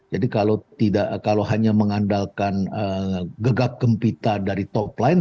jadi kalau hanya mengandalkan gegap kempita dari top line